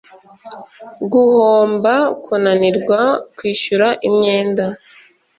Guhomba kunanirwa kwishyura imyenda